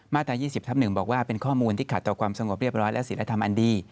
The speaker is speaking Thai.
ต๒๐ทับ๑บอกว่าเป็นข้อมูลที่ขัดต่อความสงบเรียบร้อยและศิลธรรมอันดี